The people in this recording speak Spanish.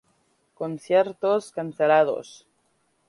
Conciertos cancelados